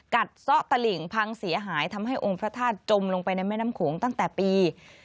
ซ่อตลิ่งพังเสียหายทำให้องค์พระธาตุจมลงไปในแม่น้ำโขงตั้งแต่ปี